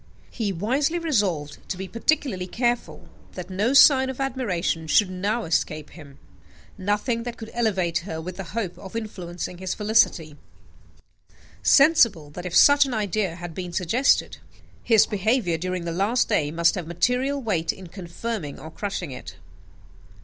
He wisely resolved to be particularly careful that no sign of admiration should now escape him nothing that could elevate her with the hope of influencing his felicity; sensible that, if such an idea had been suggested, his behaviour during the last day must have material weight in confirming or crushing it.